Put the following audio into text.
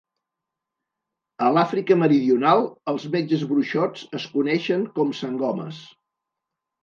A l'Àfrica meridional, els metges-bruixots es coneixen com "sangomas".